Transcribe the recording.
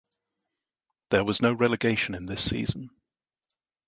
There was no relegation in this season.